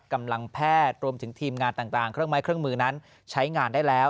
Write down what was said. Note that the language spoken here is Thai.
กำลังแพทย์รวมถึงทีมงานต่างเครื่องไม้เครื่องมือนั้นใช้งานได้แล้ว